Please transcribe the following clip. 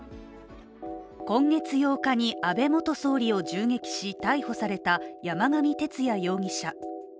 今月８日に安倍元総理を銃撃し逮捕された山上徹也容疑者。